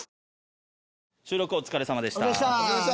収録お疲れさまでした。